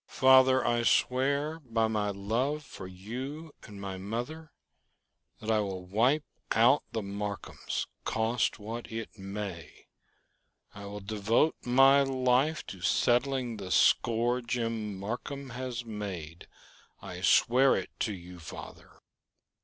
"Father! I swear by my love for you and my mother that I will wipe out the Marcums, cost what it may. I will devote my life to settling the score Jim Marcum has made. I swear it to you, father!"